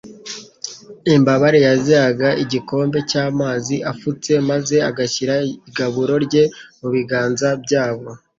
Imbabare yazihaga igikombe cy'amazi afutse maze agashyira igaburo rye mu biganza byabo.